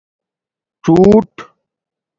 څُݸٹ